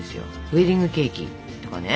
ウエディングケーキとかね。